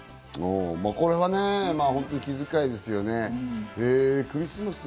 これは本当に気遣いですよね。